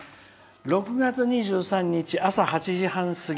「６月２３日朝８時半過ぎ。